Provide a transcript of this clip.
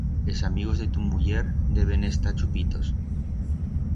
Es amigos de tu muller deben estar chupitos.